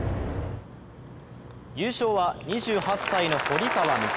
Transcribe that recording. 優勝は２８歳の堀川未来